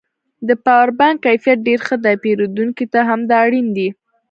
د پاور بانک کیفیت ډېر ښه دی پېرودونکو ته همدا اړین دی